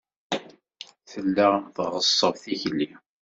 Tella tɣeṣṣeb tikli.